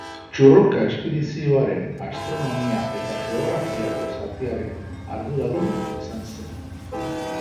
Txurruka espedizioaren astronomia eta geografiako zatiaren arduradun izan zen.